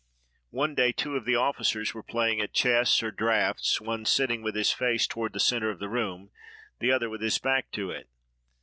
One day, two of the officers were playing at chess, or draughts, one sitting with his face toward the centre of the room, the other with his back to it.